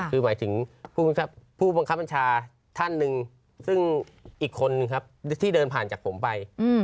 คือหมายถึงผู้บังคับบัญชาท่านหนึ่งซึ่งอีกคนนึงครับที่เดินผ่านจากผมไป